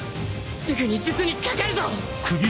すぐに術にかかるぞ！